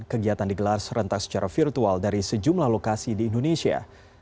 kegiatan digelar serentak secara virtual dari sejumlah lokasi di indonesia